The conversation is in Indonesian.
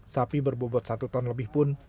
sapi berbobot satu ton lebih pun